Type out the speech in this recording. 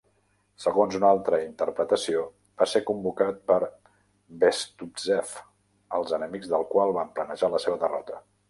Segons una altra interpretació, va ser convocat per Bestuzhev, els enemics del qual van planejar la seva derrota.